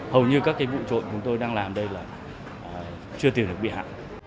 hầu như các cái bụi trội chúng tôi đang làm đây là chưa tìm được bị hạ